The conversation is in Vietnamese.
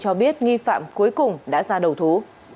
cho biết nghi phạm cuối cùng đã ra đầu thú